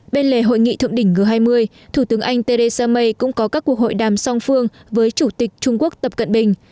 bên lề hội nghị thượng đỉnh g hai mươi thủ tướng anh theresa may cũng có các cuộc hội đàm song phương với chủ tịch trung quốc tập cận bình